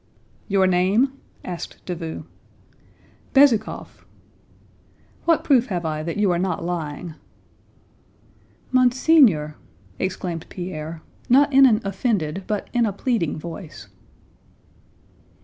"Your name?" asked Davout. "Bezúkhov." "What proof have I that you are not lying?" "Monseigneur!" exclaimed Pierre, not in an offended but in a pleading voice.